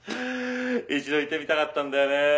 一度言ってみたかったんだよね